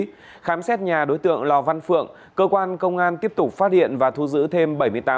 khi khám xét nhà đối tượng lò văn phượng cơ quan công an tiếp tục phát hiện và thu giữ thêm